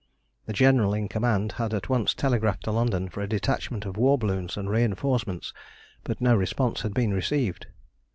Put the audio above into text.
The general in command had at once telegraphed to London for a detachment of war balloons and reinforcements, but no response had been received.